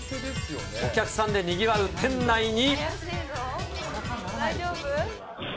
お客さんでにぎわう店内に。